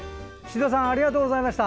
宍戸さんありがとうございました。